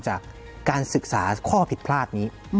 จากการศึกษาข้อผิดพลาดนี้